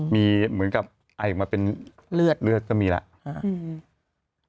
มีเหมือนกับไอออกมาเป็นเลือดเลือดก็มีแล้ว